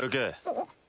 あっ。